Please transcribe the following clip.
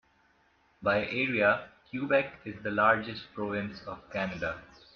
By area, Quebec is the largest province of Canada.